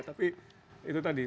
tapi itu tadi